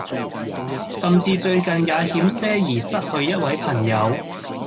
甚至最近也險些兒失去一位朋友